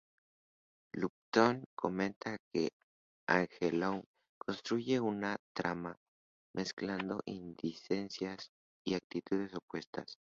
Lupton comenta que Angelou construye una trama mezclando incidencias y actitudes opuestas.